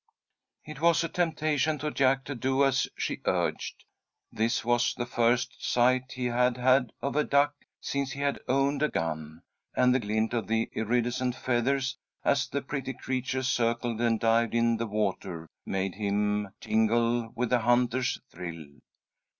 It was a temptation to Jack to do as she urged. This was the first sight he had had of a duck since he had owned a gun, and the glint of the iridescent feathers as the pretty creatures circled and dived in the water made him tingle with the hunters' thrill.